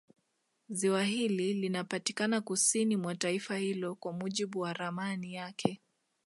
Ziwa hili linapatikana kusini mwa taifa hilo kwa mujibu wa ramani yake